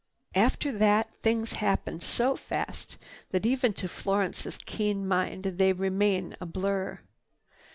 After that things happened so fast that even to Florence's keen mind they remain a blur.